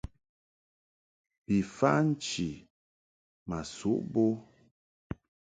Bi fa nchi ma suʼ bo.